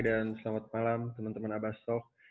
dan selamat malam teman teman abastok